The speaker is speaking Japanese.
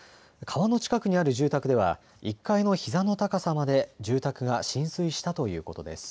川の近くにある住宅では１階のひざの高さまで住宅が浸水したということです。